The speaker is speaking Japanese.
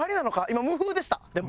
今無風でしたでも。